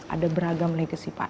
ada beragam legacy pak